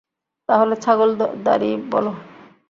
তাহলে ছাগল দাঁড়িই বলো।